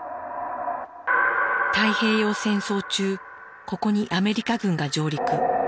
太平洋戦争中ここにアメリカ軍が上陸。